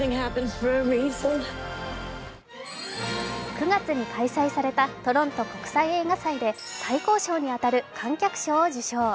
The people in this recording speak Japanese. ９月に開催されたトロント国際映画祭で最高賞に当たる観客賞を受賞。